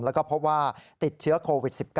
แล้วก็พบว่าติดเชื้อโควิด๑๙